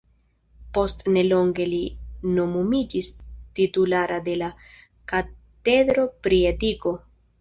Post nelonge li nomumiĝis titulara de la katedro pri etiko.